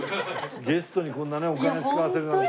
ゲストにこんなねお金使わせるなんて。